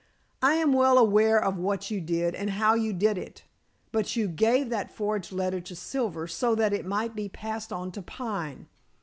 "I am well aware of what you did and how you did it. But you gave that forged letter to Silver so that it might be passed on to Pine."